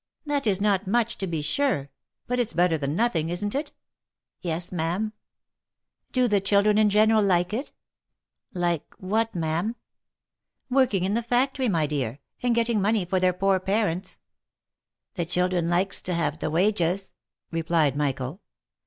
"That is not much, to be sure; but it's better than nothing, isn't it?" " Yes, ma'am." " Do the children in general like it V " Like what, ma'am?" lt Working in the factory, my dear, and getting money for their poor parents." " The children likes to have the wages," replied Michael.